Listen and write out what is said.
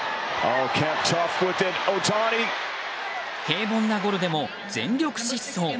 平凡なゴロでも全力疾走。